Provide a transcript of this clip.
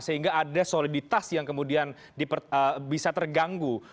sehingga ada soliditas yang kemudian bisa terganggu